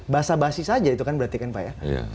basah basih saja itu kan berarti kan pak ya